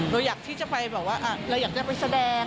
เราอยากที่จะไปแบบว่าเราอยากจะไปแสดง